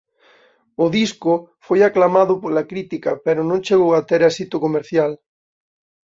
O disco foi aclamado pola crítica pero non chegou a ter éxito comercial.